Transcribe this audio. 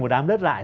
đám đất lại